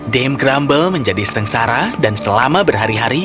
dame grumble menjadi sengsara dan selama berhari hari